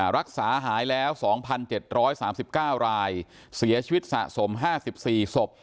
รักษาหายแล้ว๒๗๓๙รายเสียชีวิตสะสม๕๔ศพ